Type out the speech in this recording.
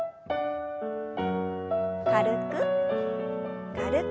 軽く軽く。